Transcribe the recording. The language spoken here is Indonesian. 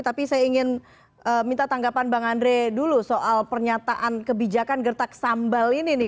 tapi saya ingin minta tanggapan bang andre dulu soal pernyataan kebijakan gertak sambal ini nih